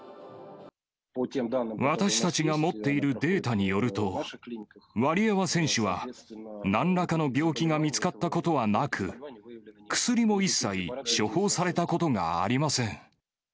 私たちが持っているデータによると、ワリエワ選手は、なんらかの病気が見つかったことはなく、薬も一切処方されたことがありません。